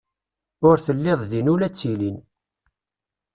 Ur telliḍ din ula d tilin.